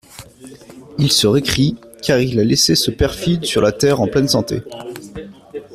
Il se récrie, car il a laissé ce perfide sur la terre en pleine santé.